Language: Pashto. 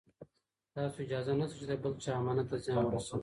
تاسو ته اجازه نشته چې د بل چا امانت ته زیان ورسوئ.